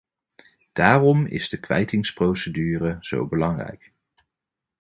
Daarom is de kwijtingsprocedure zo belangrijk.